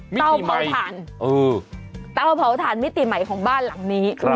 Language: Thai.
เตาเผาฐานเออเตาเผาฐานมิติใหม่ของบ้านหลังนี้ครับ